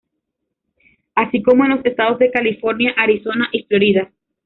Así como en los estados California, Arizona y Florida.